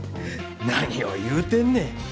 何を言うてんねん。